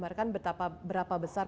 makanya tidak jauh bukan delurah